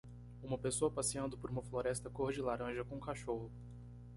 Uma pessoa passeando por uma floresta cor de laranja com um cachorro.